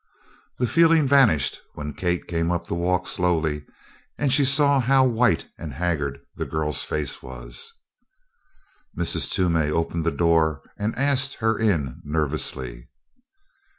The feeling vanished when Kate came up the walk slowly and she saw how white and haggard the girl's face was. Mrs. Toomey opened the door and asked her in nervously.